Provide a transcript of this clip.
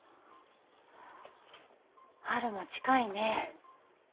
春も近いね。